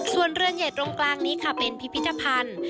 ส่วนเรือนใหญ่ตรงกลางนี้ค่ะเป็นพิพิธภัณฑ์